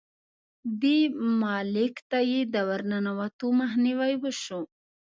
دې ملک ته یې د ورننوتو مخنیوی وشو.